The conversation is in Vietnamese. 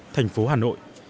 thành phố hà nội